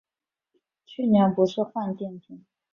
去年不是换电瓶